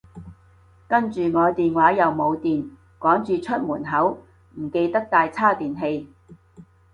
跟住我電話又冇電，趕住出門口，唔記得帶叉電器